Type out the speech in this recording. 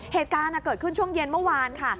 เหตุการณ์เกิดขึ้นช่วงเย็นเมื่อวานค่ะ